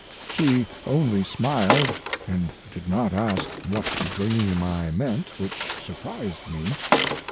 She only smiled and did not ask what dream I meant, which surprised me.